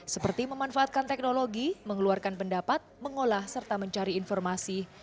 seperti memanfaatkan teknologi mengeluarkan pendapat mengolah serta mencari informasi